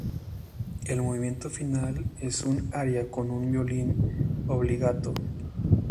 El movimiento final es un aria con un violín "obbligato".